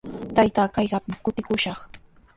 Taytaa kaqpa kutikushaq.